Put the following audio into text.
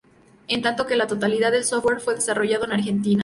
En tanto que la totalidad del software fue desarrollado en Argentina.